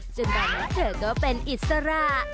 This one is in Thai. ตอนนั้นเธอก็เป็นอิสระ